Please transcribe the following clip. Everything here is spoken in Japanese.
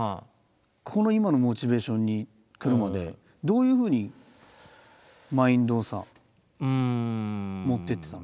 この今のモチベーションにくるまでどういうふうにマインドをさ持っていってたの？